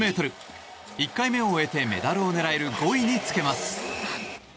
１回目を終えてメダルを狙える５位につけます。